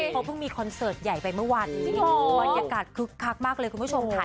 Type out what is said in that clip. เขาเพิ่งมีคอนเสิร์ตใหญ่ไปเมื่อวานนี้บรรยากาศคึกคักมากเลยคุณผู้ชมค่ะ